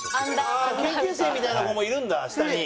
研究生みたいな子もいるんだ下に。